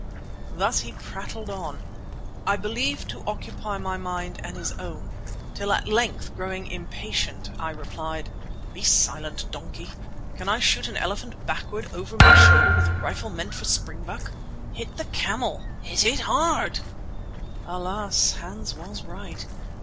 Thus he prattled on, I believe to occupy my mind and his own, till at length, growing impatient, I replied: "Be silent, donkey. Can I shoot an elephant backwards over my shoulder with a rifle meant for springbuck? Hit the camel! Hit it hard!" Alas! Hans was right!